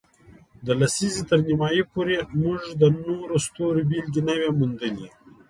د لسیزې تر نیمایي پورې، موږ د نورو ستورو بېلګې نه وې موندلې.